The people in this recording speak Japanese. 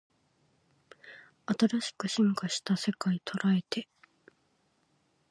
新しく進化した世界捉えて